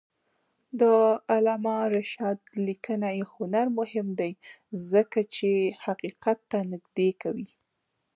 د علامه رشاد لیکنی هنر مهم دی ځکه چې حقیقت ته نږدې کوي.